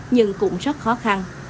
nhưng cũng rất khó khăn